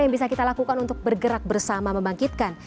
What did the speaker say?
yang bisa kita lakukan untuk bergerak bersama membangkitkan